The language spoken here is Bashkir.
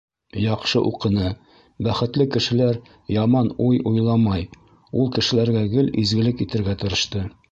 Яҡшы уҡыны, бәхетле кешеләр яман уй уйламай - ул кешеләргә гел изгелек итергә тырышты.